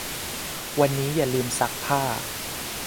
วันนี้อย่าลืมซักผ้า